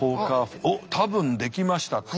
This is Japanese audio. おっ「多分できました」。